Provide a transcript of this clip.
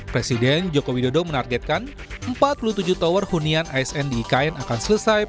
presiden joko widodo menargetkan empat puluh tujuh tower hunian asn di ikn akan selesai